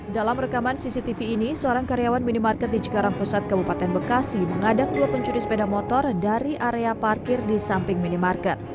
dalam rekaman cctv ini seorang karyawan minimarket di cikarang pusat kabupaten bekasi mengadak dua pencuri sepeda motor dari area parkir di samping minimarket